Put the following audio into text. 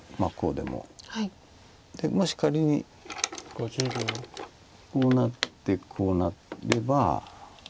でもし仮にこうなってこうなれば。